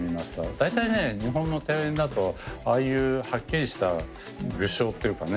大体ね日本の庭園だとああいうはっきりした具象っていうかね